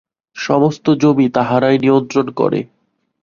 সমস্ত জমি তাহারাই নিয়ন্ত্রণ করে।